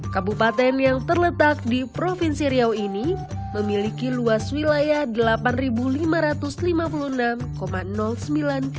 kabupaten yang terletak di provinsi riau ini memiliki luas wilayah delapan lima ratus lirik